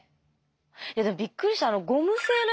いやでもびっくりしたあのゴム製のやつ。